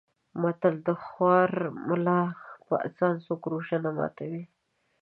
متل: د خوار ملا په اذان څوک روژه نه ماتوي.